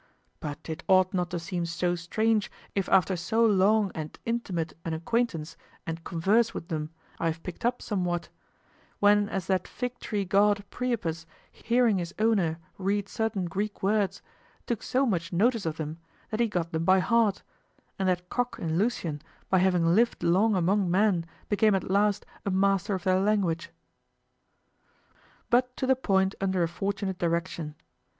But it ought not to seem so strange if after so long and intimate an acquaintance and converse with them I have picked up somewhat; when as that fig tree god Priapus hearing his owner read certain Greek words took so much notice of them that he got them by heart, and that cock in Lucian by having lived long among men became at last a master of their language. But to the point under a fortunate direction.